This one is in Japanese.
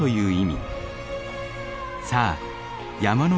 さあ山の